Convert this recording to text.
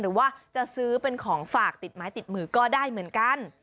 หรือว่าจะซื้อเป็นของฝากติดไม้ติดมือก็ได้เหมือนกัน